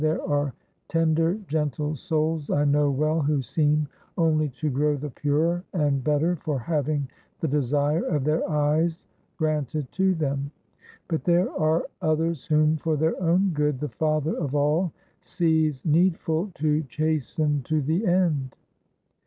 There are tender, gentle souls, I know well, who seem only to grow the purer and better for having the desire of their eyes granted to them; but there are others whom, for their own good, the Father of all sees needful to chasten to the end."